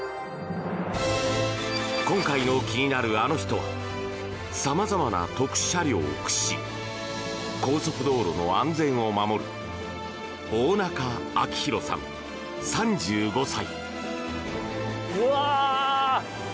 今回の気になるアノ人は様々な特殊車両を駆使し高速道路の安全を守る大中明浩さん、３５歳。